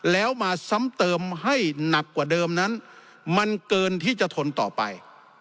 แล้วมาซ้ำเติมให้หนักกว่าเดิมนั้นมันเกินที่จะทนต่อไป